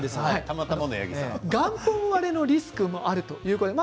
元本割れのリスクもあるということです。